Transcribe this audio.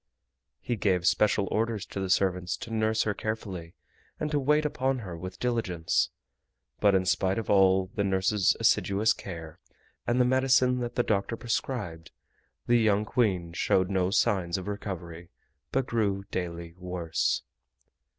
He gave special orders to the servants to nurse her carefully and to wait upon her with diligence, but in spite of all the nurses' assiduous care and the medicine that the doctor prescribed, the young Queen showed no signs of recovery, but grew daily worse.